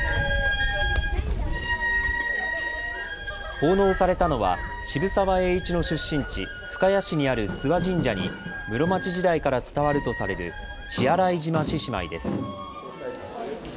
奉納されたのは渋沢栄一の出身地、深谷市にある諏訪神社に室町時代から伝わるとされる血洗島獅子舞です。